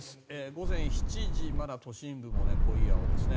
午前７時まだ都心部も濃い青ですね。